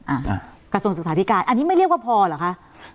กระทรวงศึกษาธิการอันนี้ไม่เรียกว่าพอเหรอคะ